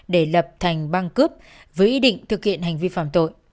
để lập thành băng cướp với ý định thực hiện hành vi phạm tội